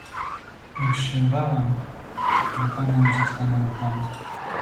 "Już się bałam, że pana nie zastanę w domu."